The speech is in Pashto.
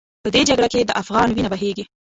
په دې جګړه کې د افغان وینه بهېږي.